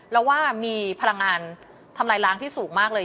แล้วว่ามีพลังงานทำลายล้างที่สูงมากเลย